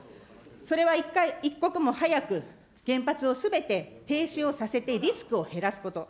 それは一回、一刻も早く、原発をすべて停止をさせて、リスクを減らすこと。